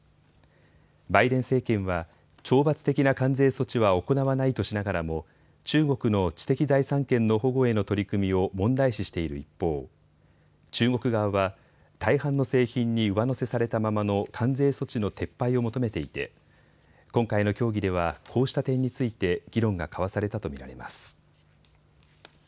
バイデン政権は懲罰的な関税措置は行わないとしながらも中国の知的財産権の保護への取り組みを問題視している一方、中国側は大半の製品に上乗せされたままの関税措置の撤廃を求めていて今回の協議ではこうした点について議論が交わされたと見られます。